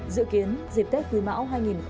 dự kiến dịp tết quý mão hai nghìn hai mươi